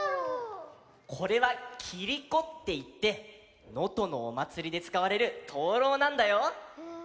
これはキリコっていって能登のおまつりでつかわれるとうろうなんだよ。